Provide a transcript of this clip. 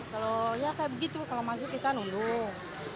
kalau ya kayak begitu kalau masuk kita nunduk